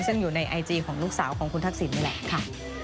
ซึ่งอยู่ในไอจีของลูกสาวของคุณทักษิณนี่แหละค่ะ